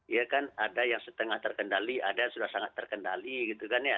ya kan ada yang setengah terkendali ada yang sudah sangat terkendali gitu kan ya